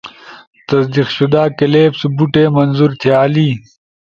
تصدیق شدہ کلپس، بوٹے منظور تھیالے